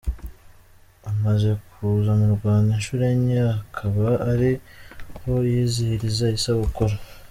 Amaze kuza mu Rwanda inshuro enye akaba ariho yizihiriza isabukuru.